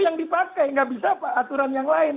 yang dipakai nggak bisa pak aturan yang lain